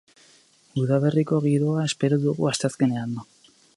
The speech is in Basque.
Udaberriko giroa espero dugu asteazkenean.